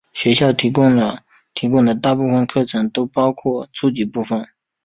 学校提供的大部分课程都包括初级部分。